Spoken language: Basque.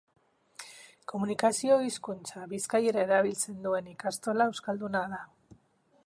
Komunikazio hizkuntza, bizkaiera erabiltzen duen ikastola euskalduna da.